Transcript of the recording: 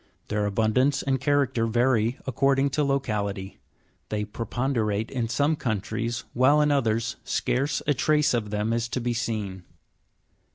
Their abundance and character vary according to locality ; they prepon derate in some countries, while in others scarce a trace of them is to be seen.